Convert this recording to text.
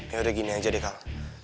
yaudah gini aja deh kal